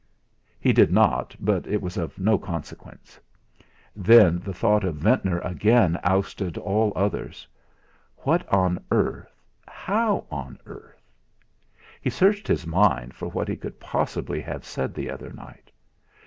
He did not, but it was of no consequence. Then the thought of Ventnor again ousted all others. What on earth how on earth! He searched his mind for what he could possibly have said the other night.